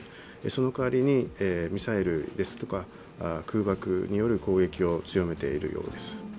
その代わりに、ミサイルですとか空爆による攻撃を強めているようです。